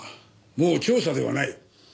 もう調査ではない。